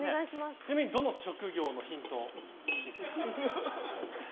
ちなみにどの職業のヒントが欲しいですか？